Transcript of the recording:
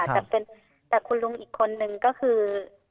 คุณลุงอีกคนหนึ่งก็คือ